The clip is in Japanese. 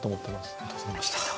ありがとうございます。